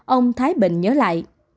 ông thái bình nhớ lại